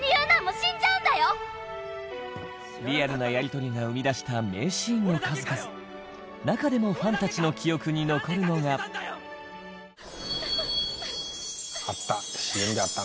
リアルなやり取りが生み出した名シーンの数々中でもファンたちの記憶に残るのが有野：あった。